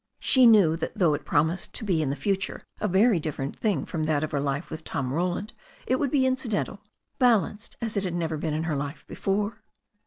She knew that though it promised to be in the future a very different thing from that of her life with Tom Roland, it would be incidental, balanced as it had never been in her life before.